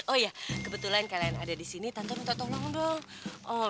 oh ya kebetulan kalian ada di sini tante minta tolong dong